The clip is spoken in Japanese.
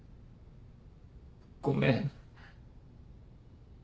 ごめん。